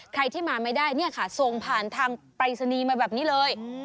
ใครที่มาไม่ได้เนี่ยค่ะส่งผ่านทางปรายศนีย์มาแบบนี้เลย